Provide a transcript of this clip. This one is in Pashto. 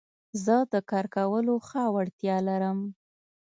زه د کار کولو ښه وړتيا لرم.